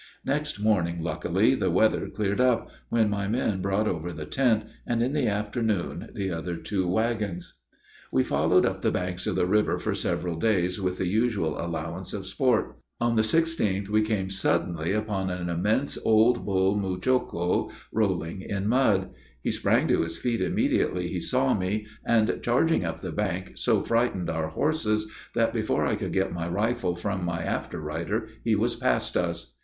Next morning, luckily, the weather cleared up, when my men brought over the tent, and in the afternoon the other two wagons. We followed up the banks of the river for several days, with the usual allowance of sport. On the 16th we came suddenly upon an immense old bull muchocho rolling in mud. He sprang to his feet immediately he saw me, and, charging up the bank, so frightened our horses, that before I could get my rifle from my after rider he was past us.